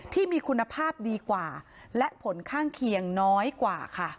ที่มีคุณภาพดีกว่าและผลข้างเคียงน้อยกว่าค่ะ